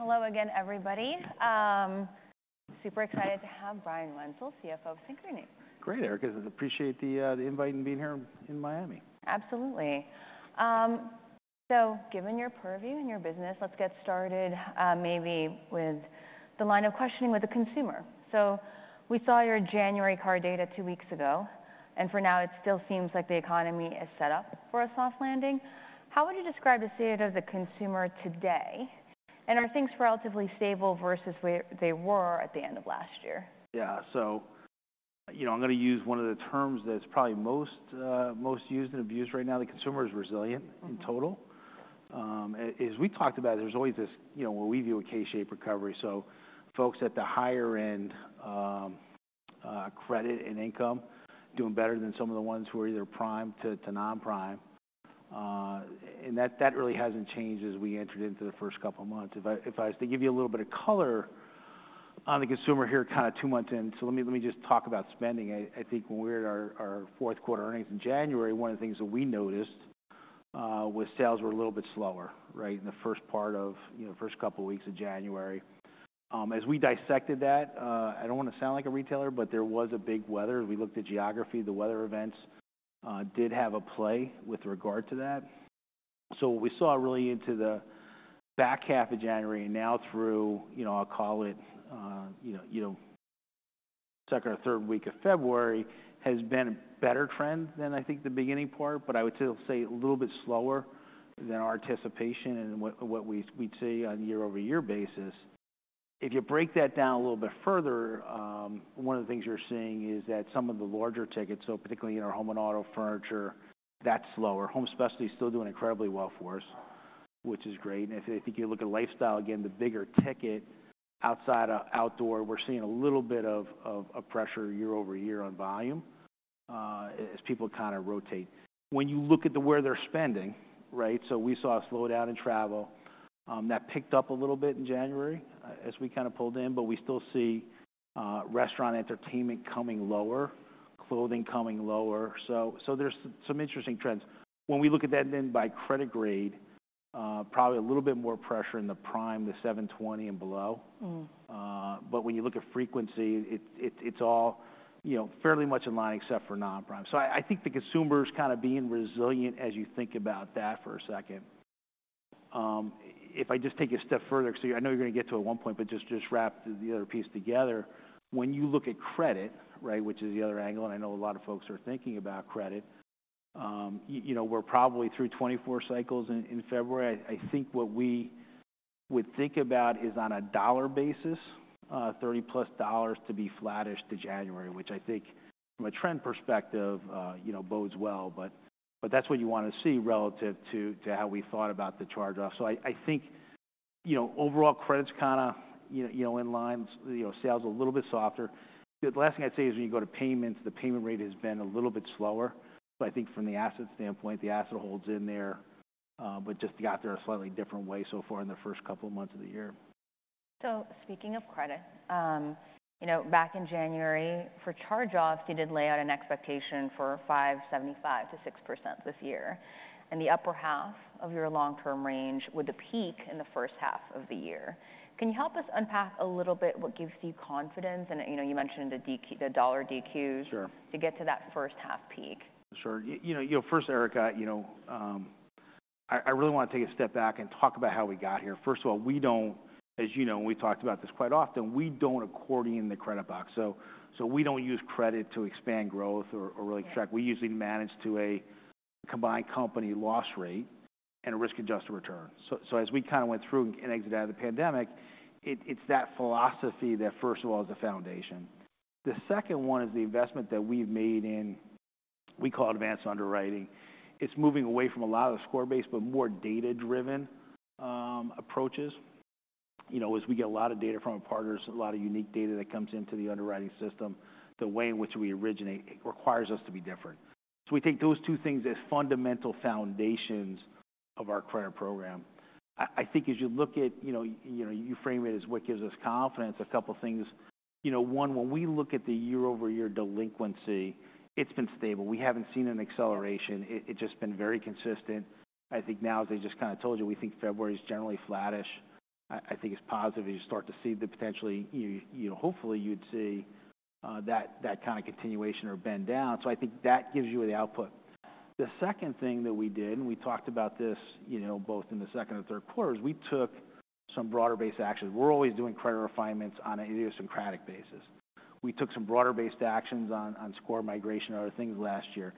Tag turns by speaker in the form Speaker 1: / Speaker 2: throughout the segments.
Speaker 1: All right. Hello again, everybody. Super excited to have Brian Wenzel, CFO of Synchrony.
Speaker 2: Great, Erika. I appreciate the invite and being here in Miami.
Speaker 1: Absolutely. So given your purview and your business, let's get started, maybe with the line of questioning with the consumer. So we saw your January card data two weeks ago, and for now, it still seems like the economy is set up for a soft landing. How would you describe the state of the consumer today, and are things relatively stable versus where they were at the end of last year?
Speaker 2: Yeah, so, you know, I'm gonna use one of the terms that's probably most, most used and abused right now. The consumer is resilient in total.
Speaker 1: Mm-hmm.
Speaker 2: As we talked about, there's always this, you know, where we view a K-shaped recovery. So folks at the higher end, credit and income doing better than some of the ones who are either prime to non-prime, and that really hasn't changed as we entered into the first couple of months. If I was to give you a little bit of color on the consumer here, kinda two months in, so let me just talk about spending. I think when we were at our fourth quarter earnings in January, one of the things that we noticed was sales were a little bit slower, right, in the first part of, you know, first couple weeks of January. As we dissected that, I don't wanna sound like a retailer, but there was a big weather. We looked at geography. The weather events did have a play with regard to that. So what we saw really into the back half of January and now through, you know, I'll call it, you know, second or third week of February, has been a better trend than I think the beginning part, but I would still say a little bit slower than our anticipation and what we'd see on a year-over-year basis. If you break that down a little bit further, one of the things you're seeing is that some of the larger tickets, so particularly in our home and auto, furniture, that's slower. Home specialty is still doing incredibly well for us, which is great. If you look at lifestyle, again, the bigger ticket outside of outdoor, we're seeing a little bit of pressure year-over-year on volume, as people kinda rotate. When you look at the where they're spending, right, so we saw a slowdown in travel. That picked up a little bit in January as we kinda pulled in, but we still see restaurant, entertainment coming lower, clothing coming lower. So there's some interesting trends. When we look at that then by credit grade, probably a little bit more pressure in the prime, the 720 and below.
Speaker 1: Mm.
Speaker 2: But when you look at frequency, it's all, you know, fairly much in line except for non-prime. So I think the consumer's kinda being resilient as you think about that for a second. If I just take it a step further, because I know you're going to get to it at one point, but just wrap the other piece together. When you look at credit, right, which is the other angle, and I know a lot of folks are thinking about credit, you know, we're probably through 24 cycles in February. I think what we would think about is on a dollar basis, $30+ to be flattish to January, which I think from a trend perspective, you know, bodes well. But that's what you want to see relative to how we thought about the charge-off. So I think, you know, overall, credit's kinda, you know, in line, you know, sales a little bit softer. The last thing I'd say is when you go to payments, the payment rate has been a little bit slower. So I think from the asset standpoint, the asset holds in there, but just got there a slightly different way so far in the first couple of months of the year.
Speaker 1: So speaking of credit, you know, back in January, for charge-offs, you did lay out an expectation for 5.75%-6% this year, and the upper half of your long-term range, with the peak in the first half of the year. Can you help us unpack a little bit what gives you confidence? And, you know, you mentioned the DQ, the dollar DQs-
Speaker 2: Sure...
Speaker 1: to get to that first-half peak.
Speaker 2: Sure. You know, first, Erika, you know, I really want to take a step back and talk about how we got here. First of all, we don't... As you know, and we talked about this quite often, we don't accordion the credit box, so, so we don't use credit to expand growth or, or really contract.
Speaker 1: Right.
Speaker 2: We usually manage to a combined company loss rate and a risk-adjusted return. So as we kinda went through and exited out of the pandemic, it's that philosophy that, first of all, is the foundation. The second one is the investment that we've made in, we call it advanced underwriting. It's moving away from a lot of the score-based, but more data-driven, approaches. You know, as we get a lot of data from our partners, a lot of unique data that comes into the underwriting system, the way in which we originate, it requires us to be different. So we take those two things as fundamental foundations of our credit program. I think as you look at, you know, you frame it as what gives us confidence, a couple of things. You know, one, when we look at the year-over-year delinquency, it's been stable. We haven't seen an acceleration. It's just been very consistent. I think now, as I just kinda told you, we think February is generally flattish. I think it's positive. You start to see the potentially, you know, hopefully you'd see that kind of continuation or bend down. So I think that gives you the output. The second thing that we did, and we talked about this, you know, both in the second and third quarters, we took some broader-based actions. We're always doing credit refinements on an idiosyncratic basis. We took some broader-based actions on score migration and other things last year.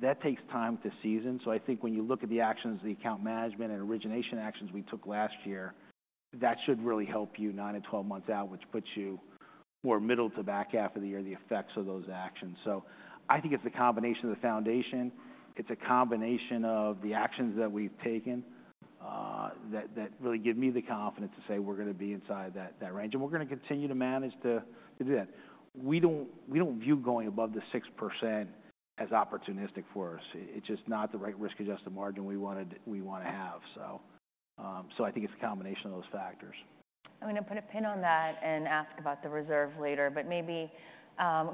Speaker 2: That takes time to season. So I think when you look at the actions, the account management and origination actions we took last year, that should really help you 9-12 months out, which puts you more middle to back half of the year, the effects of those actions. So I think it's a combination of the foundation. It's a combination of the actions that we've taken, that really give me the confidence to say we're gonna be inside that range, and we're gonna continue to manage to do that. We don't, we don't view going above the 6% as opportunistic for us. It's just not the right risk-adjusted margin we wanted, we want to have. So I think it's a combination of those factors....
Speaker 1: I'm gonna put a pin on that and ask about the reserve later. But maybe,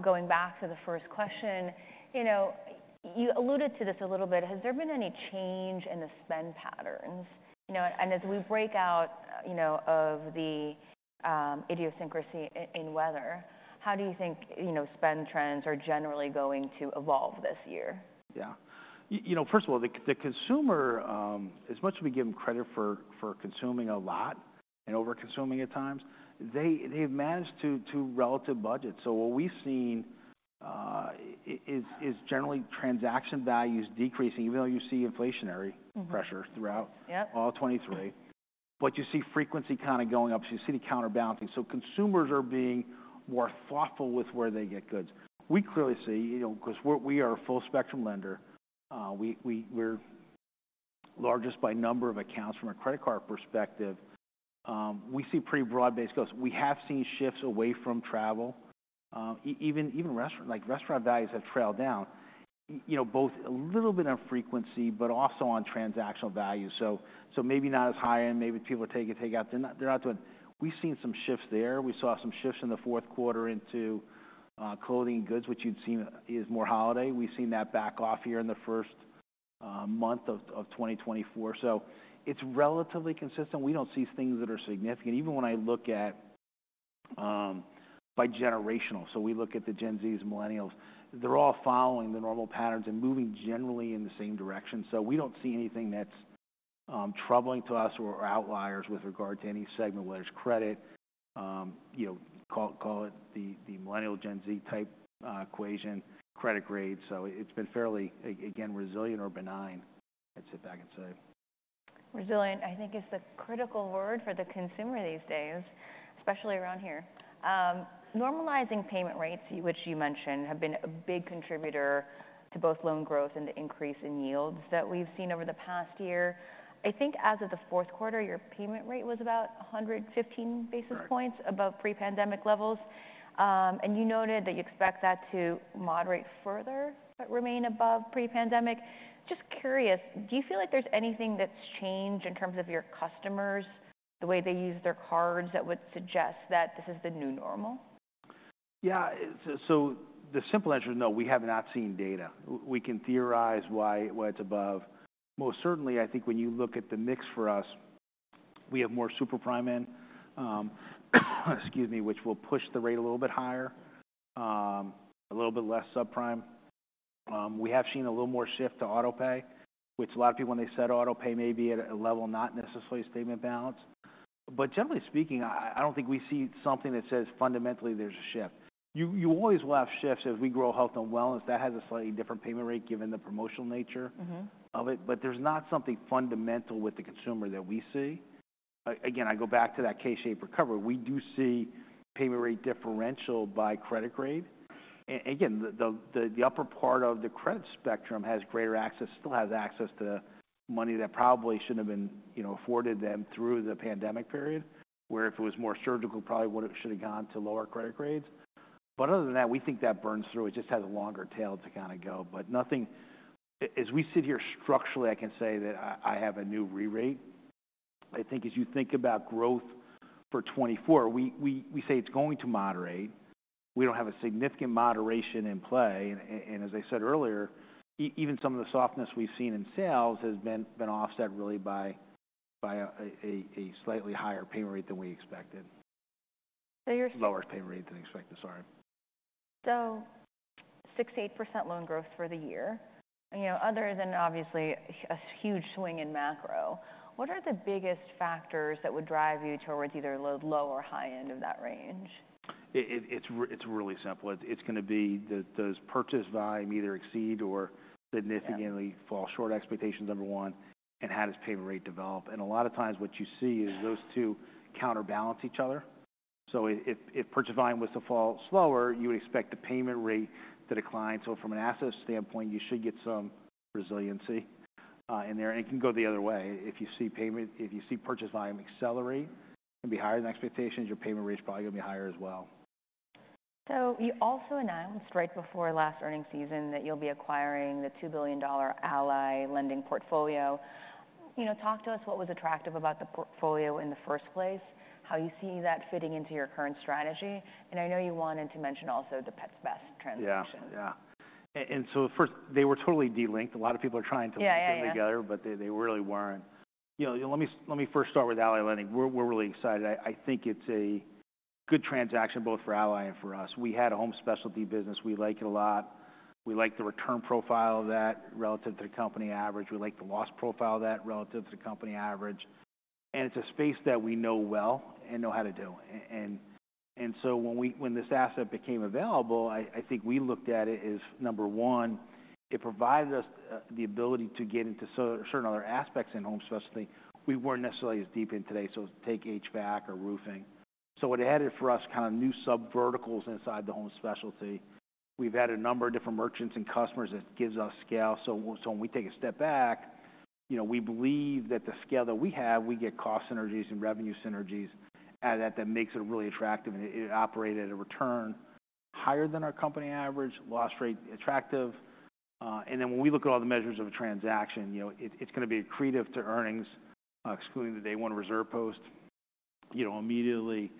Speaker 1: going back to the first question, you know, you alluded to this a little bit: Has there been any change in the spend patterns? You know, and as we break out, you know, of the idiosyncrasy in weather, how do you think, you know, spend trends are generally going to evolve this year?
Speaker 2: Yeah. You know, first of all, the consumer, as much as we give them credit for consuming a lot and overconsuming at times, they've managed to relative budget. So what we've seen is generally transaction values decreasing, even though you see inflationary-
Speaker 1: Mm-hmm
Speaker 2: -pressure throughout-
Speaker 1: Yep
Speaker 2: All of 2023. But you see frequency kinda going up, so you see the counterbalancing. So consumers are being more thoughtful with where they get goods. We clearly see, you know, because we're- we are a full-spectrum lender, we, we're largest by number of accounts from a credit card perspective. We see pretty broad-based growth. We have seen shifts away from travel, even, even restaurant-- like, restaurant values have trailed down. You know, both a little bit on frequency, but also on transactional value. So, so maybe not as high-end, maybe people are taking takeout. They're not, they're not doing... We've seen some shifts there. We saw some shifts in the fourth quarter into, clothing and goods, which you've seen is more holiday. We've seen that back off here in the first, month of, 2024. So it's relatively consistent. We don't see things that are significant, even when I look at by generational. So we look at the Gen Zs and millennials. They're all following the normal patterns and moving generally in the same direction. So we don't see anything that's troubling to us or outliers with regard to any segment, whether it's credit, you know, call it the millennial Gen Z type equation, credit grade. So it's been fairly, again, resilient or benign, I'd sit back and say.
Speaker 1: Resilient, I think, is the critical word for the consumer these days, especially around here. Normalizing payment rates, which you mentioned, have been a big contributor to both loan growth and the increase in yields that we've seen over the past year. I think as of the fourth quarter, your payment rate was about 115 basis points-
Speaker 2: Right
Speaker 1: - above pre-pandemic levels. And you noted that you expect that to moderate further, but remain above pre-pandemic. Just curious, do you feel like there's anything that's changed in terms of your customers, the way they use their cards, that would suggest that this is the new normal?
Speaker 2: Yeah. So the simple answer is no, we have not seen data. We can theorize why it's above. Most certainly, I think when you look at the mix for us, we have more super prime in, excuse me, which will push the rate a little bit higher, a little bit less subprime. We have seen a little more shift to auto pay, which a lot of people, when they set auto pay, may be at a level not necessarily statement balance. But generally speaking, I don't think we see something that says fundamentally there's a shift. You always will have shifts as we grow health and wellness. That has a slightly different payment rate given the promotional nature-
Speaker 1: Mm-hmm
Speaker 2: of it, but there's not something fundamental with the consumer that we see. Again, I go back to that K-shaped recovery. We do see payment rate differential by credit grade. And again, the upper part of the credit spectrum has greater access, still has access to money that probably shouldn't have been, you know, afforded them through the pandemic period, where if it was more surgical, probably would have, should have gone to lower credit grades. But other than that, we think that burns through. It just has a longer tail to kinda go, but nothing... As we sit here structurally, I can say that I have a new rerate. I think as you think about growth for 2024, we say it's going to moderate. We don't have a significant moderation in play, and as I said earlier, even some of the softness we've seen in sales has been offset really by a slightly higher payment rate than we expected.
Speaker 1: So you're-
Speaker 2: Lower payment rate than expected, sorry.
Speaker 1: So 6%-8% loan growth for the year. You know, other than obviously a huge swing in macro, what are the biggest factors that would drive you towards either the low or high end of that range?
Speaker 2: It's really simple. It's gonna be the, does purchase volume either exceed or significantly-
Speaker 1: Yeah
Speaker 2: Fall short expectations, number one, and how does payment rate develop? And a lot of times, what you see is those two counterbalance each other. So if, if purchase volume was to fall slower, you would expect the payment rate to decline. So from an asset standpoint, you should get some resiliency in there, and it can go the other way. If you see purchase volume accelerate and be higher than expectations, your payment rate is probably gonna be higher as well.
Speaker 1: So you also announced right before last earnings season that you'll be acquiring the $2 billion Ally Lending portfolio. You know, talk to us what was attractive about the portfolio in the first place, how you see that fitting into your current strategy, and I know you wanted to mention also the Pets Best transaction.
Speaker 2: Yeah. Yeah. And so first, they were totally delinked. A lot of people are trying to-
Speaker 1: Yeah, yeah, yeah
Speaker 2: -put them together, but they, they really weren't. You know, let me first start with Ally Lending. We're really excited. I think it's a good transaction both for Ally and for us. We had a home specialty business. We like it a lot. We like the return profile of that relative to the company average. We like the loss profile of that relative to company average. And it's a space that we know well and know how to do. And so when this asset became available, I think we looked at it as, number one, it provided us the ability to get into certain other aspects in home specialty we weren't necessarily as deep in today, so take HVAC or roofing. So it added for us kind of new subverticals inside the home specialty. We've added a number of different merchants and customers that gives us scale. So, so when we take a step back, you know, we believe that the scale that we have, we get cost synergies and revenue synergies, that, that makes it really attractive, and it operated at a return higher than our company average. Loss rate, attractive. And then when we look at all the measures of a transaction, you know, it, it's gonna be accretive to earnings, excluding the day one reserve post. You know, immediately,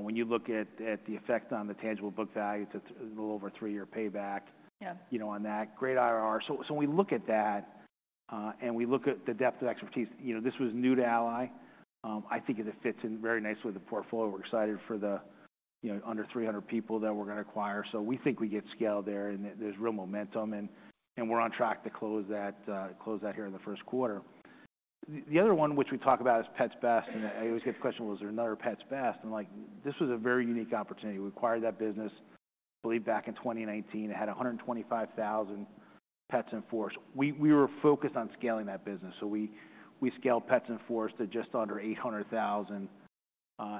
Speaker 2: when you look at, at the effect on the tangible book value, it's a, a little over a three-year payback-
Speaker 1: Yeah.
Speaker 2: you know, on that. Great IRR. So when we look at that, and we look at the depth of expertise, you know, this was new to Ally. I think it fits in very nicely with the portfolio. We're excited for the, you know, under 300 people that we're gonna acquire. So we think we get scale there, and there's real momentum, and we're on track to close that here in the first quarter. The other one, which we talk about, is Pets Best, and I always get the question: "Well, is there another Pets Best?" I'm like, "This was a very unique opportunity." We acquired that business, I believe, back in 2019. It had 125,000 pets in force. We were focused on scaling that business, so we scaled pets in force to just under 800,000.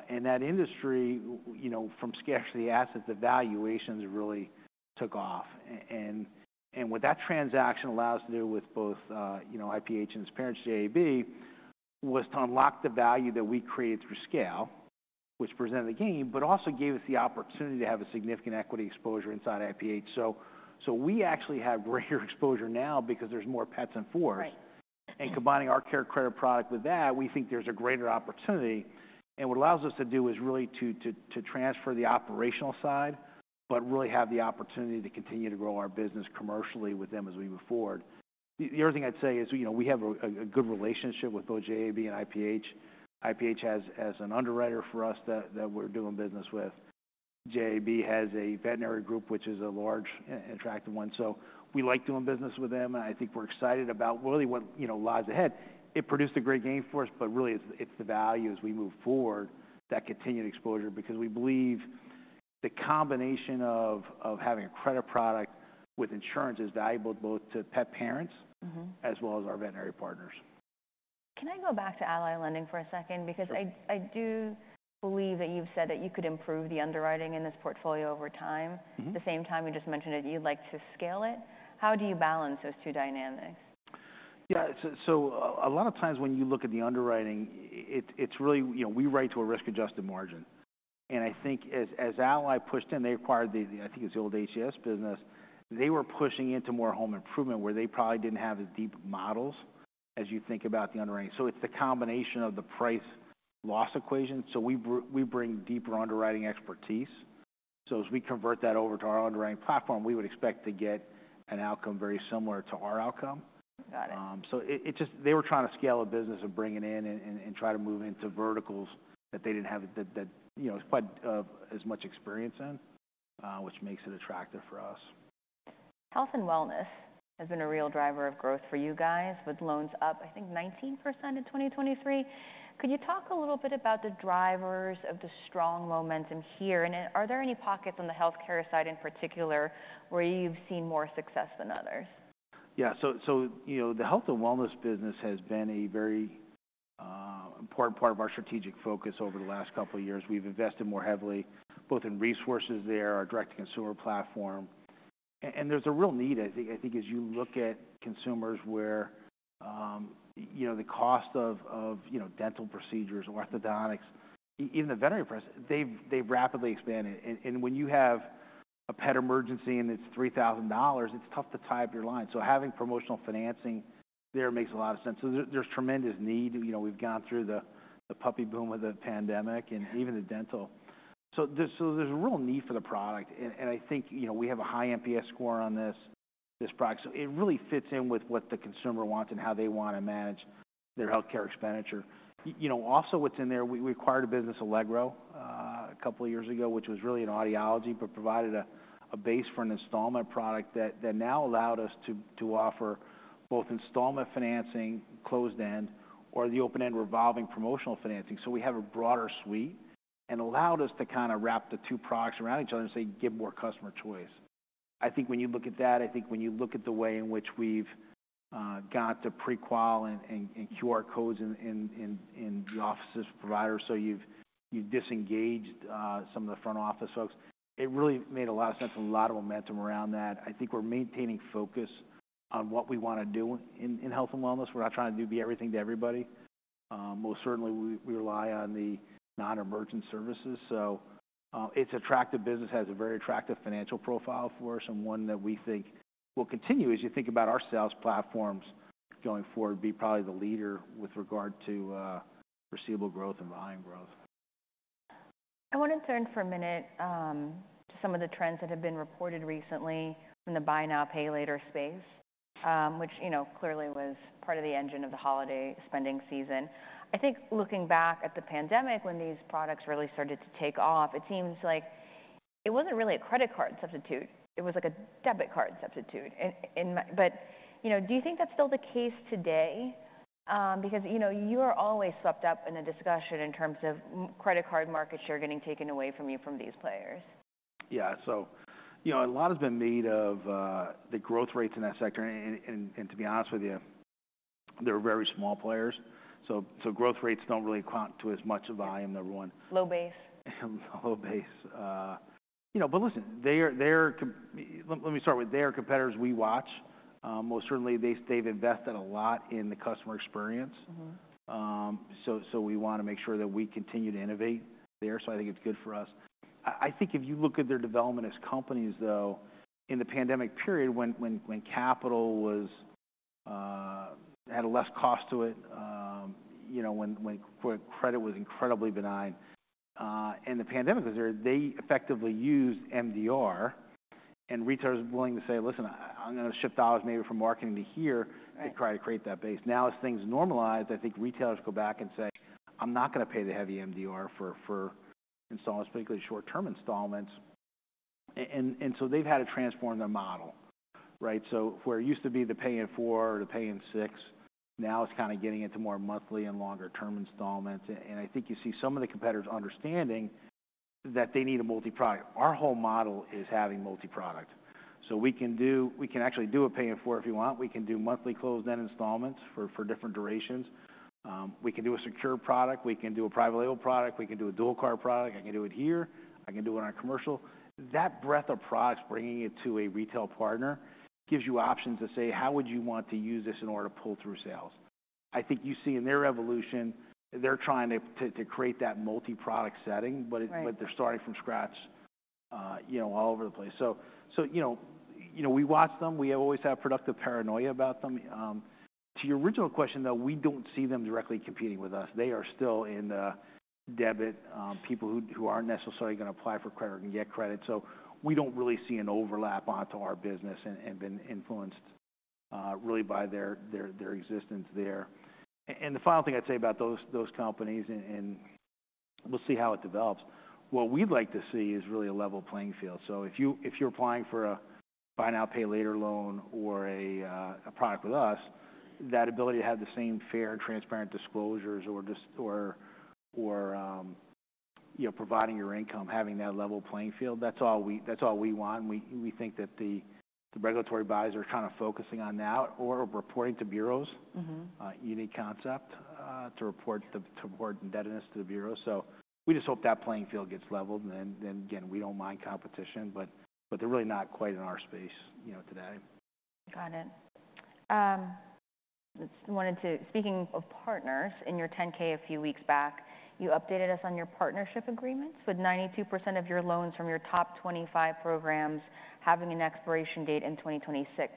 Speaker 2: And that industry, you know, from scarcity assets, the valuations really took off. And what that transaction allows us to do with both, you know, IPH and its parents, JAB, was to unlock the value that we created through scale, which presented the gain, but also gave us the opportunity to have a significant equity exposure inside IPH. So we actually have greater exposure now because there's more pets in force.
Speaker 1: Right.
Speaker 2: Combining our CareCredit product with that, we think there's a greater opportunity. And what it allows us to do is really to transfer the operational side, but really have the opportunity to continue to grow our business commercially with them as we move forward. The other thing I'd say is, you know, we have a good relationship with both JAB and IPH. IPH has, as an underwriter for us, that we're doing business with. JAB has a veterinary group, which is a large and attractive one, so we like doing business with them, and I think we're excited about really what, you know, lies ahead. It produced a great gain for us, but really, it's, it's the value as we move forward, that continued exposure, because we believe the combination of, of having a credit product with insurance is valuable both to pet parents-
Speaker 1: Mm-hmm.
Speaker 2: -as well as our veterinary partners.
Speaker 1: Can I go back to Ally Lending for a second?
Speaker 2: Sure.
Speaker 1: Because I do believe that you've said that you could improve the underwriting in this portfolio over time.
Speaker 2: Mm-hmm.
Speaker 1: At the same time, you just mentioned that you'd like to scale it. How do you balance those two dynamics?
Speaker 2: Yeah, so a lot of times when you look at the underwriting, it's really... You know, we write to a risk-adjusted margin. I think as Ally pushed in, they acquired the, I think it was the old HS business. They were pushing into more home improvement, where they probably didn't have as deep models as you think about the underwriting. So it's the combination of the price-loss equation. So we bring deeper underwriting expertise. So as we convert that over to our underwriting platform, we would expect to get an outcome very similar to our outcome.
Speaker 1: Got it.
Speaker 2: They were trying to scale a business and bring it in and try to move into verticals that they didn't have, that you know quite as much experience in, which makes it attractive for us.
Speaker 1: Health and wellness has been a real driver of growth for you guys, with loans up, I think, 19% in 2023. Could you talk a little bit about the drivers of the strong momentum here? Are there any pockets on the healthcare side, in particular, where you've seen more success than others?
Speaker 2: Yeah, so, you know, the health and wellness business has been a very important part of our strategic focus over the last couple of years. We've invested more heavily, both in resources there, our direct-to-consumer platform. And there's a real need, I think, as you look at consumers where, you know, the cost of, you know, dental procedures, orthodontics, even the veterinary practice, they've rapidly expanded. And when you have a pet emergency and it's $3,000, it's tough to tie up your line. So having promotional financing there makes a lot of sense. So there, there's tremendous need. You know, we've gone through the puppy boom of the pandemic and even the dental. So there's a real need for the product, and I think, you know, we have a high NPS score on this product. So it really fits in with what the consumer wants and how they want to manage their healthcare expenditure. You know, also, what's in there, we acquired a business, Allegro, a couple of years ago, which was really in audiology, but provided a base for an installment product that now allowed us to offer both installment financing, closed-end, or the open-end, revolving promotional financing. So we have a broader suite, and allowed us to kind of wrap the two products around each other and say, "Give more customer choice." I think when you look at that, I think when you look at the way in which we've got to pre-qual and QR codes in the office providers, so you've disengaged some of the front office folks, it really made a lot of sense and a lot of momentum around that. I think we're maintaining focus on what we want to do in health and wellness. We're not trying to be everything to everybody. Most certainly, we rely on the non-emergent services, so it's attractive business, has a very attractive financial profile for us, and one that we think will continue as you think about our sales platforms going forward, be probably the leader with regard to receivable growth and volume growth.
Speaker 1: I want to turn for a minute to some of the trends that have been reported recently in the buy now, pay later space, which, you know, clearly was part of the engine of the holiday spending season. I think looking back at the pandemic, when these products really started to take off, it seems like it wasn't really a credit card substitute. It was like a debit card substitute. But, you know, do you think that's still the case today? Because, you know, you are always swept up in a discussion in terms of credit card market share getting taken away from you from these players.
Speaker 2: Yeah, so, you know, a lot has been made of the growth rates in that sector, and to be honest with you, they're very small players, so growth rates don't really amount to as much volume, everyone.
Speaker 1: Low base.
Speaker 2: Low base. You know, but listen, let me start with, they are competitors we watch. Most certainly, they, they've invested a lot in the customer experience.
Speaker 1: Mm-hmm.
Speaker 2: So, so we wanna make sure that we continue to innovate there, so I think it's good for us. I think if you look at their development as companies, though, in the pandemic period, when capital had a less cost to it, you know, when credit was incredibly benign, and the pandemic was there, they effectively used MDR, and retailers were willing to say: "Listen, I'm gonna shift dollars maybe from marketing to here-
Speaker 1: Right.
Speaker 2: - to try to create that base." Now, as things normalize, I think retailers go back and say, "I'm not gonna pay the heavy MDR for installments, particularly short-term installments." And so they've had to transform their model, right? So where it used to be the pay in 4 or the pay in 6, now it's kinda getting into more monthly and longer-term installments. And I think you see some of the competitors understanding that they need a multi-product. Our whole model is having multi-product. So we can actually do a pay in 4 if you want. We can do monthly closed-end installments for different durations. We can do a secure product. We can do a private label product. We can do a dual-card product. I can do it here. I can do it on our commercial. That breadth of products, bringing it to a retail partner, gives you options to say, "How would you want to use this in order to pull through sales?" I think you see in their evolution, they're trying to create that multi-product setting, but it-
Speaker 1: Right...
Speaker 2: but they're starting from scratch, you know, all over the place. So, you know, we watch them. We always have productive paranoia about them. To your original question, though, we don't see them directly competing with us. They are still in the debit, people who aren't necessarily gonna apply for credit or can get credit. So we don't really see an overlap onto our business and been influenced really by their existence there. And the final thing I'd say about those companies, and we'll see how it develops, what we'd like to see is really a level playing field. So if you're applying for a buy now, pay later loan or a product with us, that ability to have the same fair and transparent disclosures or just, you know, providing your income, having that level playing field, that's all we want. We think that the regulatory buyers are kinda focusing on that or reporting to bureaus.
Speaker 1: Mm-hmm.
Speaker 2: Unique concept to report indebtedness to the bureau. So we just hope that playing field gets leveled, and then again, we don't mind competition, but they're really not quite in our space, you know, today.
Speaker 1: Got it. Just wanted to... Speaking of partners, in your 10-K a few weeks back, you updated us on your partnership agreements, with 92% of your loans from your top 25 programs having an expiration date in 2026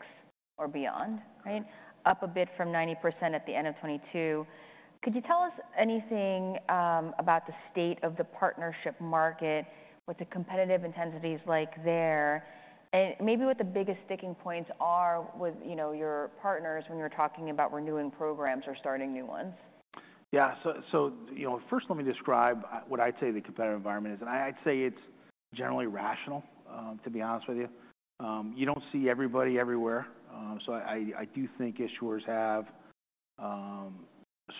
Speaker 1: or beyond, right? Up a bit from 90% at the end of 2022. Could you tell us anything about the state of the partnership market, what the competitive intensities like there, and maybe what the biggest sticking points are with, you know, your partners when you're talking about renewing programs or starting new ones?
Speaker 2: Yeah, so, so, you know, first let me describe what I'd say the competitive environment is, and I'd say it's generally rational, to be honest with you. You don't see everybody everywhere, so I do think issuers have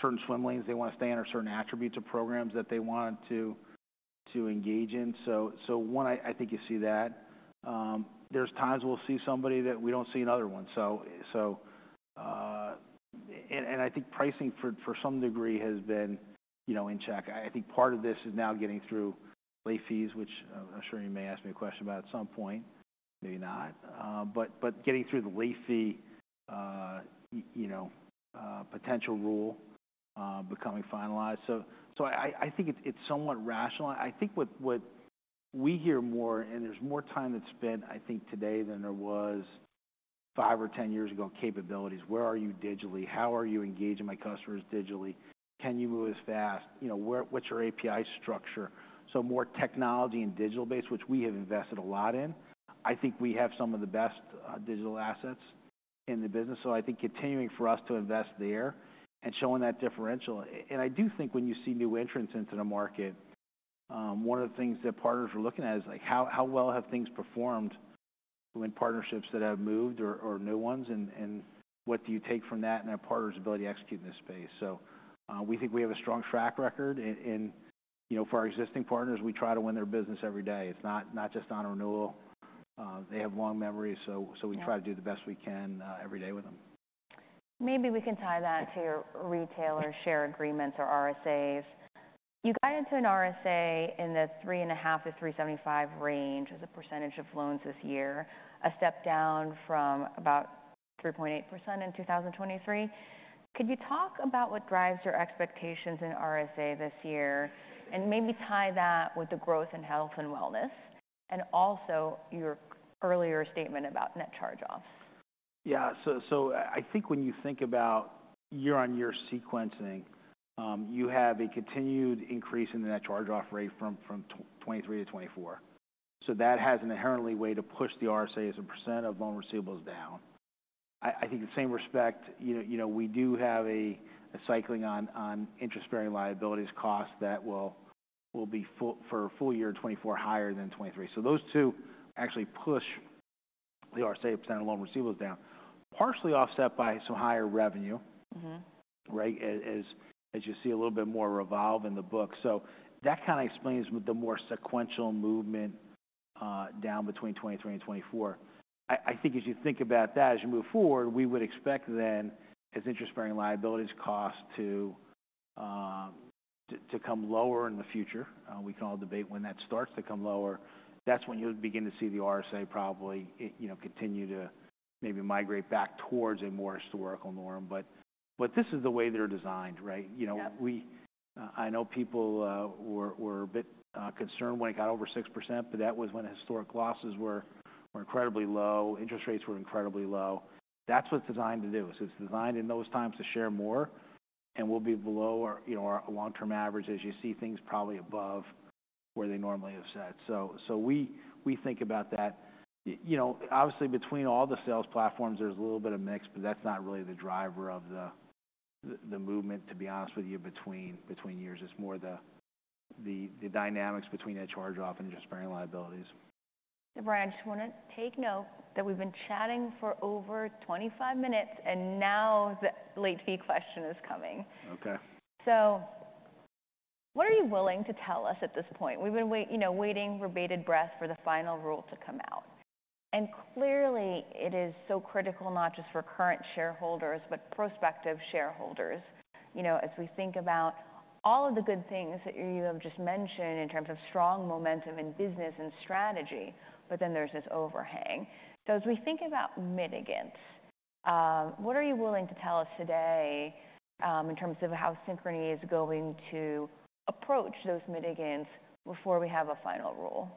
Speaker 2: certain swim lanes they wanna stay in or certain attributes or programs that they want to engage in. So, I think you see that. There's times we'll see somebody that we don't see another one. I think pricing for some degree has been, you know, in check. I think part of this is now getting through late fees, which I'm sure you may ask me a question about at some point, maybe not, but getting through the late fee, you know, potential rule becoming finalized. So, I think it's somewhat rational. I think what we hear more, and there's more time that's spent, I think, today than there was five or 10 years ago, on capabilities. Where are you digitally? How are you engaging my customers digitally? Can you move as fast? You know, what's your API structure? So more technology and digital-based, which we have invested a lot in. I think we have some of the best digital assets in the business, so I think continuing for us to invest there and showing that differential. I do think when you see new entrants into the market, one of the things that partners are looking at is, like, how well have things performed when partnerships that have moved or new ones, and what do you take from that and that partner's ability to execute in this space? So, we think we have a strong track record in... You know, for our existing partners, we try to win their business every day. It's not just on a renewal. They have long memories, so-
Speaker 1: Yeah...
Speaker 2: so we try to do the best we can every day with them.
Speaker 1: Maybe we can tie that to your retailer share agreements, or RSAs. You got into an RSA in the 3.5%-3.75% range as a percentage of loans this year, a step down from about 3.8% in 2023. Could you talk about what drives your expectations in RSA this year, and maybe tie that with the growth in health and wellness, and also your earlier statement about net charge-offs?
Speaker 2: Yeah, so, so I think when you think about year-on-year sequencing, you have a continued increase in the net charge-off rate from 2023 to 2024. So that has an inherent way to push the RSAs a % of loan receivables down. I think in the same respect, you know, you know, we do have a cycling on interest-bearing liabilities costs that will be full year 2024, higher than 2023. So those two actually push the RSA % of loan receivables down, partially offset by some higher revenue.
Speaker 1: Mm-hmm.
Speaker 2: Right? As you see a little bit more revolve in the book. So that kinda explains the more sequential movement down between 2023 and 2024. I think as you think about that, as you move forward, we would expect then, as interest-bearing liabilities cost to come lower in the future. We can all debate when that starts to come lower.... That's when you'll begin to see the RSA probably, you know, continue to maybe migrate back towards a more historical norm. But this is the way they're designed, right?
Speaker 1: Yep.
Speaker 2: You know, I know people were a bit concerned when it got over 6%, but that was when historic losses were incredibly low, interest rates were incredibly low. That's what it's designed to do. So it's designed in those times to share more, and we'll be below our, you know, our long-term average as you see things probably above where they normally have set. So we think about that. You know, obviously, between all the sales platforms, there's a little bit of mix, but that's not really the driver of the movement, to be honest with you, between years. It's more the dynamics between that charge-off and just varying liabilities.
Speaker 1: Brian, I just wanna take note that we've been chatting for over 25 minutes, and now the late fee question is coming.
Speaker 2: Okay.
Speaker 1: So what are you willing to tell us at this point? We've been, you know, waiting with bated breath for the final rule to come out. And clearly, it is so critical, not just for current shareholders, but prospective shareholders. You know, as we think about all of the good things that you have just mentioned in terms of strong momentum in business and strategy, but then there's this overhang. So as we think about mitigants, what are you willing to tell us today, in terms of how Synchrony is going to approach those mitigants before we have a final rule?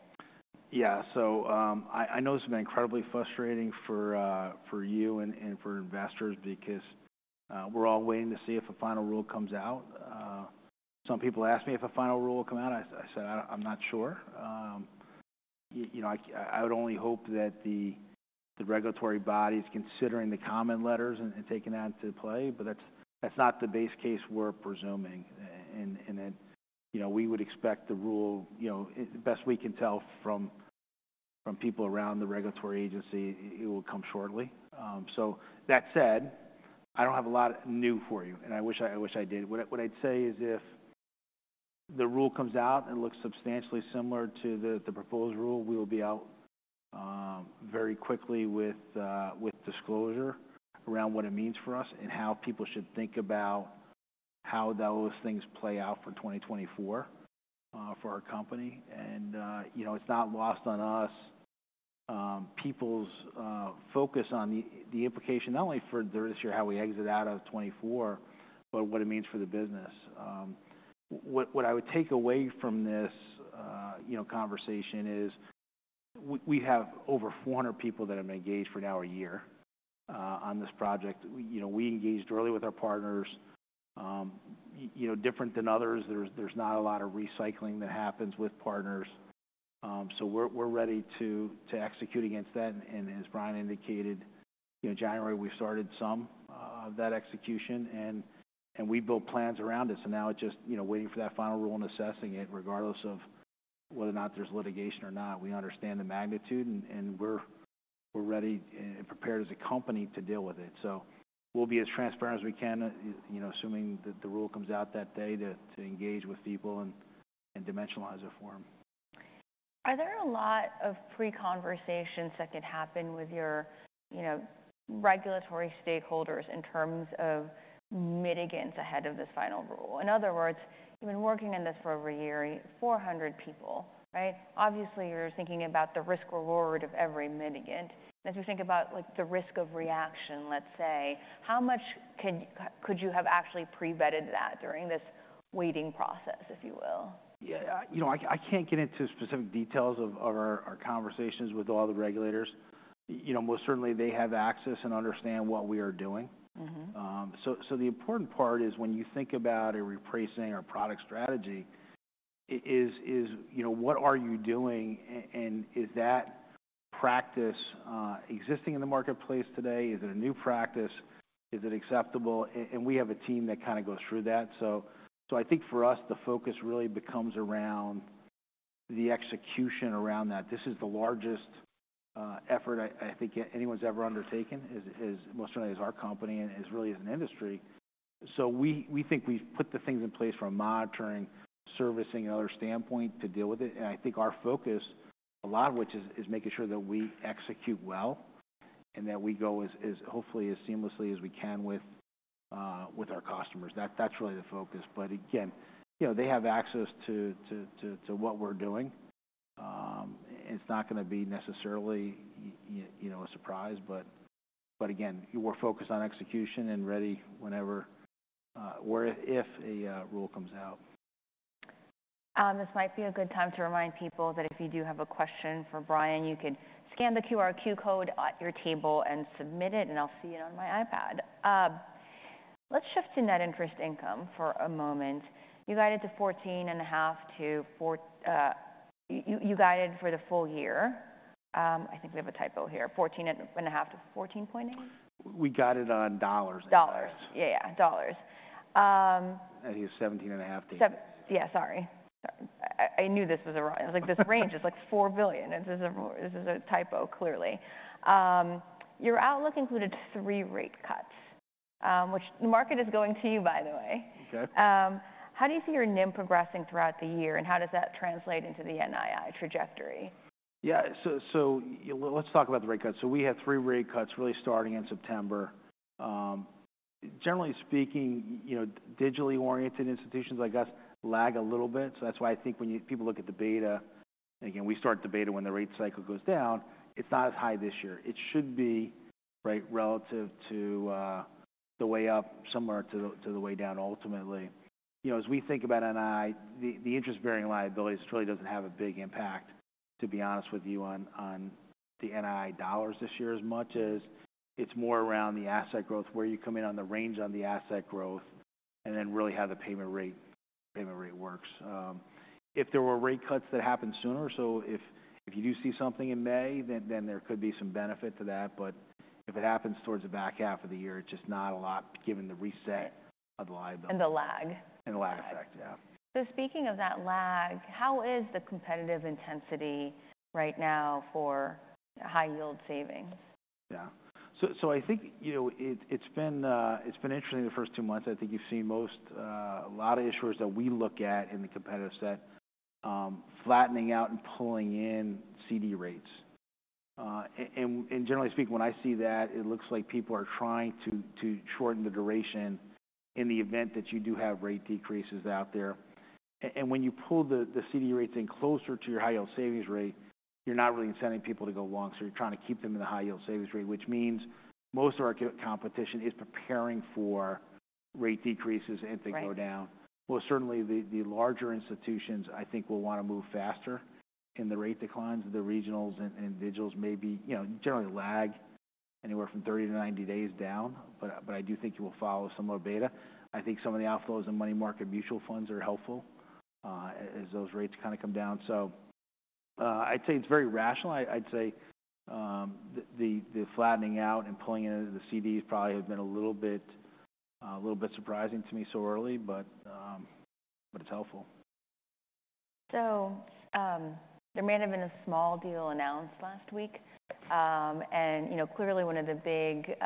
Speaker 2: Yeah. So, I know this has been incredibly frustrating for you and for investors because we're all waiting to see if a final rule comes out. Some people ask me if a final rule will come out. I said, "I'm not sure." You know, I would only hope that the regulatory body is considering the comment letters and taking that into play, but that's not the base case we're presuming. And that, you know, we would expect the rule, you know, as best we can tell from people around the regulatory agency, it will come shortly. So that said, I don't have a lot new for you, and I wish I did. What I'd say is if the rule comes out and looks substantially similar to the proposed rule, we will be out very quickly with disclosure around what it means for us and how people should think about how those things play out for 2024 for our company. You know, it's not lost on us, people's focus on the implication, not only for this year, how we exit out of 2024, but what it means for the business. What I would take away from this, you know, conversation is we have over 400 people that have been engaged for now a year on this project. We, you know, we engaged early with our partners. You know, different than others, there's not a lot of recycling that happens with partners. So we're ready to execute against that. And as Brian indicated, you know, January, we started some that execution, and we built plans around it. So now it's just, you know, waiting for that final rule and assessing it. Regardless of whether or not there's litigation or not, we understand the magnitude, and we're ready and prepared as a company to deal with it. So we'll be as transparent as we can, you know, assuming that the rule comes out that day, to engage with people and dimensionalize it for them.
Speaker 1: Are there a lot of pre-conversations that could happen with your, you know, regulatory stakeholders in terms of mitigants ahead of this final rule? In other words, you've been working on this for over a year, 400 people, right? Obviously, you're thinking about the risk-reward of every mitigant. As you think about, like, the risk of reaction, let's say, how much could you have actually pre-vetted that during this waiting process, if you will?
Speaker 2: Yeah, you know, I can't get into specific details of our conversations with all the regulators. You know, most certainly, they have access and understand what we are doing.
Speaker 1: Mm-hmm.
Speaker 2: So the important part is when you think about a repricing or product strategy, is, you know, what are you doing, and is that practice existing in the marketplace today? Is it a new practice? Is it acceptable? And we have a team that kind of goes through that. So I think for us, the focus really becomes around the execution around that. This is the largest effort I think anyone's ever undertaken, is most certainly our company and is really as an industry. So we think we've put the things in place from a monitoring, servicing, and other standpoint to deal with it. I think our focus, a lot of which is making sure that we execute well and that we go as hopefully as seamlessly as we can with our customers. That's really the focus. But again, you know, they have access to what we're doing. It's not gonna be necessarily, you know, a surprise, but again, we're focused on execution and ready whenever or if a rule comes out.
Speaker 1: This might be a good time to remind people that if you do have a question for Brian, you can scan the QR code at your table and submit it, and I'll see it on my iPad. Let's shift to net interest income for a moment. You guided to $14.5. You guided for the full year. I think we have a typo here, $14.5-$14.8?
Speaker 2: We got it on dollars.
Speaker 1: Dollars. Yeah, yeah, dollars.
Speaker 2: I think it's 17.5.
Speaker 1: Yeah, sorry. I knew this was wrong. I was like, "This range is, like, $4 billion. This is a typo, clearly." Your outlook included three rate cuts, which the market is going to you, by the way.
Speaker 2: Okay.
Speaker 1: How do you see your NIM progressing throughout the year, and how does that translate into the NII trajectory?
Speaker 2: Yeah, so, let's talk about the rate cuts. So we had three rate cuts really starting in September. Generally speaking, you know, digitally oriented institutions like us lag a little bit. So that's why I think when people look at the beta, again, we start the beta when the rate cycle goes down, it's not as high this year. It should be, right, relative to the way up, similar to the way down ultimately. You know, as we think about NII, the interest-bearing liabilities really doesn't have a big impact, to be honest with you, on the NII dollars this year as much as it's more around the asset growth, where you come in on the range on the asset growth, and then really how the payment rate works. If there were rate cuts that happened sooner, so if you do see something in May, then there could be some benefit to that. But if it happens towards the back half of the year, it's just not a lot given the reset of liability.
Speaker 1: And the lag.
Speaker 2: And the lag effect, yeah.
Speaker 1: Speaking of that lag, how is the competitive intensity right now for high-yield savings?
Speaker 2: Yeah. So I think, you know, it's been interesting the first two months. I think you've seen most a lot of issuers that we look at in the competitive set flattening out and pulling in CD rates. And generally speaking, when I see that, it looks like people are trying to shorten the duration in the event that you do have rate decreases out there. And when you pull the CD rates in closer to your high-yield savings rate, you're not really incenting people to go long, so you're trying to keep them in the high-yield savings rate, which means most of our competition is preparing for rate decreases as-
Speaker 1: Right
Speaker 2: They go down. Well, certainly the larger institutions, I think, will want to move faster in the rate declines. The regionals and digitals may be, you know, generally lag anywhere from 30-90 days down, but I do think you will follow similar beta. I think some of the outflows in money market mutual funds are helpful, as those rates kind of come down. So, I'd say it's very rational. I'd say the flattening out and pulling in the CDs probably has been a little bit surprising to me so early, but it's helpful.
Speaker 1: So, there may have been a small deal announced last week. And you know, clearly one of the big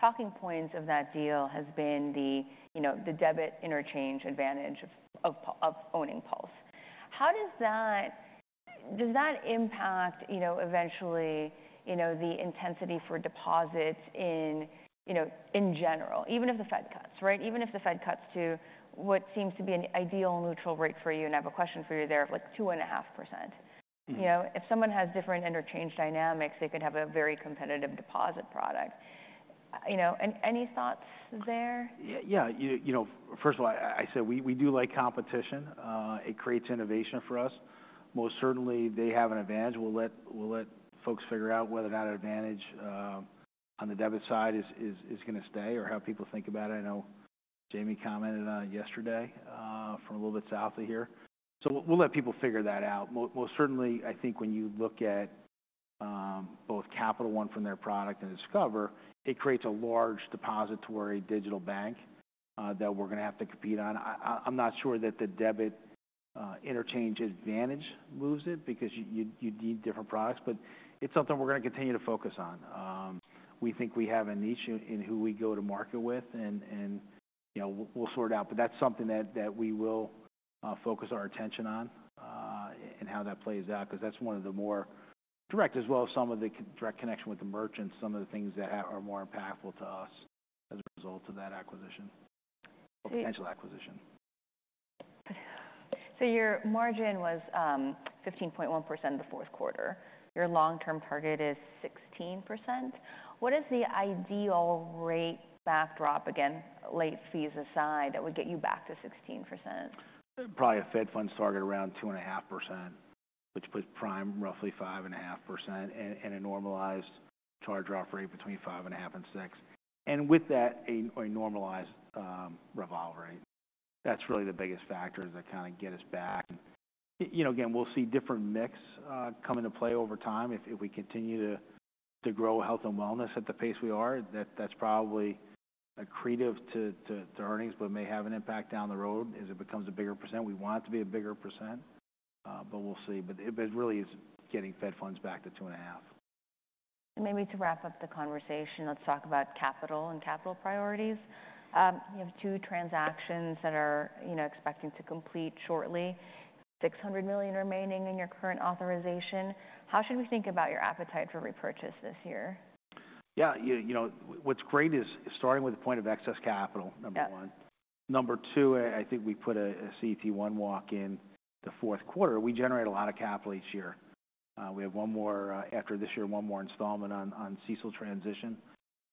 Speaker 1: talking points of that deal has been the, you know, the debit interchange advantage of owning Pulse. How does that—does that impact, you know, eventually, you know, the intensity for deposits in, you know, in general, even if the Fed cuts, right? Even if the Fed cuts to what seems to be an ideal neutral rate for you, and I have a question for you there, of, like, 2.5%.
Speaker 2: Mm-hmm.
Speaker 1: You know, if someone has different interchange dynamics, they could have a very competitive deposit product. You know, any thoughts there?
Speaker 2: Yeah, you know, first of all, I said we do like competition. It creates innovation for us. Most certainly, they have an advantage. We'll let folks figure out whether that advantage on the debit side is going to stay or how people think about it. I know Jamie commented on it yesterday from a little bit south of here. So we'll let people figure that out. Most certainly, I think when you look at both Capital One from their product and Discover, it creates a large depository digital bank that we're going to have to compete on. I'm not sure that the debit interchange advantage moves it, because you'd need different products, but it's something we're going to continue to focus on. We think we have a niche in who we go to market with and, you know, we'll sort out, but that's something that we will focus our attention on and how that plays out, because that's one of the more direct as well as some of the direct connection with the merchants, some of the things that are more impactful to us as a result of that acquisition.
Speaker 1: So-
Speaker 2: or potential acquisition.
Speaker 1: So your margin was 15.1% in the fourth quarter. Your long-term target is 16%. What is the ideal rate backdrop, again, late fees aside, that would get you back to 16%?
Speaker 2: Probably a Fed fund target around 2.5%, which puts prime roughly 5.5%, and a normalized charge-off rate between 5.5% and 6%. With that, a normalized revolve rate. That's really the biggest factor that kind of get us back. You know, again, we'll see different mix come into play over time if we continue to grow health and wellness at the pace we are. That's probably accretive to earnings, but may have an impact down the road as it becomes a bigger percent. We want it to be a bigger percent, but we'll see. But it really is getting Fed funds back to 2.5%.
Speaker 1: Maybe to wrap up the conversation, let's talk about capital and capital priorities. You have two transactions that are, you know, expecting to complete shortly, $600 million remaining in your current authorization. How should we think about your appetite for repurchase this year?
Speaker 2: Yeah, you know, what's great is starting with the point of excess capital-
Speaker 1: Yeah...
Speaker 2: number 1. Number 2, I think we put a CET1 walk in the fourth quarter. We generate a lot of capital each year. We have one more after this year, one more installment on CECL transition,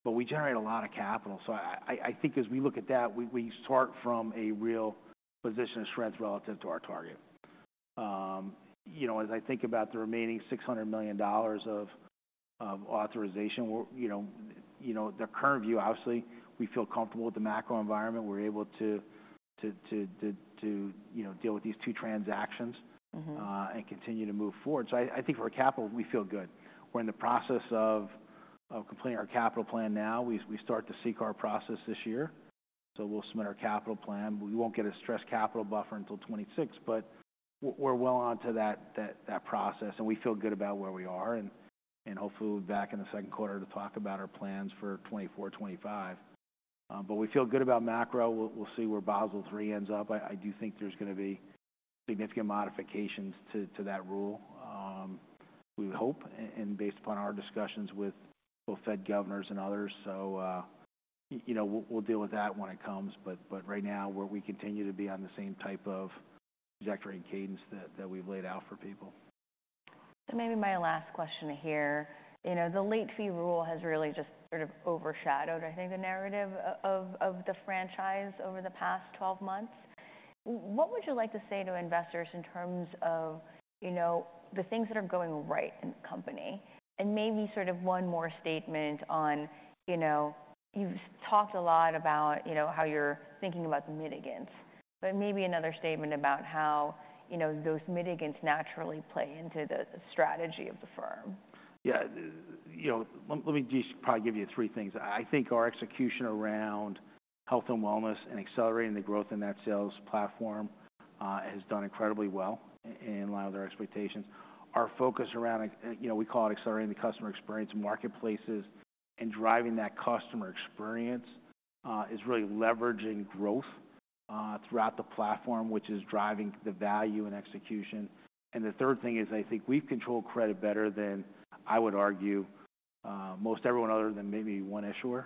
Speaker 2: but we generate a lot of capital. So I think as we look at that, we start from a real position of strength relative to our target. You know, as I think about the remaining $600 million of authorization, well, you know, you know, the current view, obviously, we feel comfortable with the macro environment. We're able to you know deal with these two transactions-
Speaker 1: Mm-hmm...
Speaker 2: and continue to move forward. So I think for our capital, we feel good. We're in the process of completing our capital plan now. We start the CCAR process this year, so we'll submit our capital plan. We won't get a stress capital buffer until 2026, but we're well onto that process, and we feel good about where we are. And hopefully, we'll be back in the second quarter to talk about our plans for 2024, 2025. But we feel good about macro. We'll see where Basel III ends up. I do think there's going to be significant modifications to that rule, we hope, and based upon our discussions with both Fed governors and others. So you know, we'll deal with that when it comes. But right now, we continue to be on the same type of trajectory and cadence that we've laid out for people.
Speaker 1: So maybe my last question here. You know, the late fee rule has really just sort of overshadowed, I think, the narrative of the franchise over the past 12 months. What would you like to say to investors in terms of, you know, the things that are going right in the company? And maybe sort of one more statement on, you know, you've talked a lot about, you know, how you're thinking about the mitigants, but maybe another statement about how, you know, those mitigants naturally play into the strategy of the firm.
Speaker 2: Yeah, you know, let me just probably give you three things. I think our execution around health and wellness and accelerating the growth in that sales platform has done incredibly well in light of their expectations. Our focus around, you know, we call it accelerating the customer experience in marketplaces and driving that customer experience is really leveraging growth throughout the platform, which is driving the value and execution. And the third thing is, I think we've controlled credit better than, I would argue, most everyone other than maybe one issuer.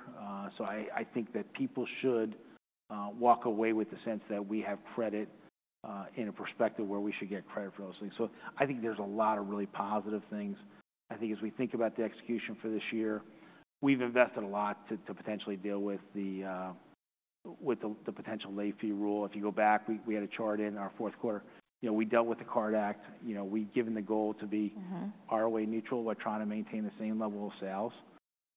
Speaker 2: So I think that people should walk away with the sense that we have credit in a perspective where we should get credit for those things. So I think there's a lot of really positive things. I think as we think about the execution for this year, we've invested a lot to potentially deal with the potential late fee rule. If you go back, we had a chart in our fourth quarter. You know, we dealt with the Card Act. You know, we've given the goal to be-
Speaker 1: Mm-hmm...
Speaker 2: ROA neutral. We're trying to maintain the same level of sales.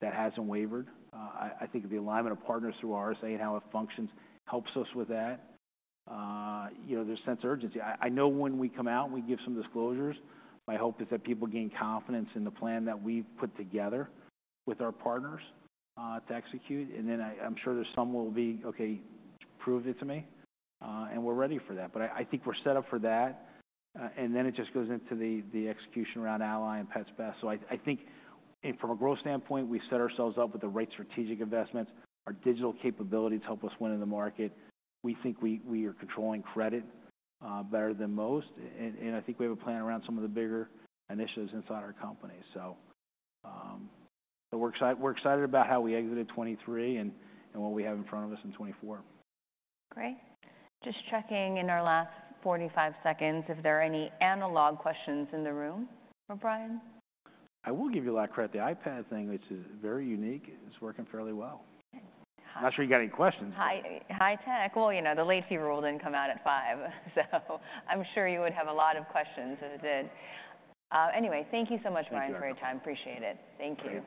Speaker 2: That hasn't wavered. I think the alignment of partners through RSA and how it functions helps us with that. You know, there's sense of urgency. I know when we come out and we give some disclosures, my hope is that people gain confidence in the plan that we've put together with our partners to execute. And then I'm sure there will be some, "Okay, prove it to me," and we're ready for that. But I think we're set up for that, and then it just goes into the execution around Ally and Pets Best. So I think from a growth standpoint, we've set ourselves up with the right strategic investments, our digital capability to help us win in the market. We think we are controlling credit better than most, and I think we have a plan around some of the bigger initiatives inside our company. So, we're excited about how we exited 2023 and what we have in front of us in 2024.
Speaker 1: Great. Just checking in our last 45 seconds if there are any analog questions in the room for Brian?
Speaker 2: I will give you a lot of credit. The iPad thing, which is very unique, it's working fairly well.
Speaker 1: Yeah.
Speaker 2: I'm not sure you got any questions.
Speaker 1: High, high tech. Well, you know, the late fee rule didn't come out at 5, so I'm sure you would have a lot of questions if it did. Anyway, thank you so much, Brian, for your time.
Speaker 2: Thank you.
Speaker 1: Appreciate it. Thank you.